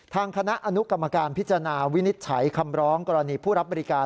ทางคณะอนุกรรมการพิจารณาวินิจฉัยคำร้องกรณีผู้รับบริการ